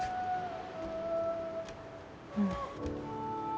うん。